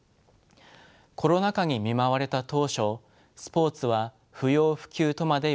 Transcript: コロナ禍に見舞われた当初スポーツは不要不急とまで言われました。